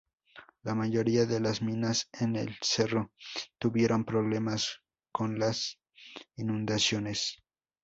La mayoría de las minas en el cerro tuvieron problemas con las inundaciones.